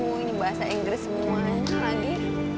bu ini bahasa inggris semuanya lagi